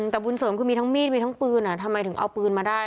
แต่บุญเสริมคือมีทั้งมีดมีทั้งปืนทำไมถึงเอาปืนมาได้